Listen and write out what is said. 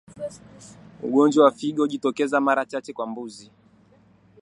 Ugonjwa wa figo hujitokeza mara chache kwa mbuzi